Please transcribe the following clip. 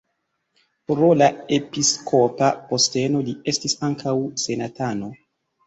Pro la episkopa posteno li estis ankaŭ senatano.